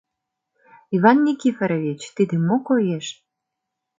— Иван Никифорович, тиде мо коеш?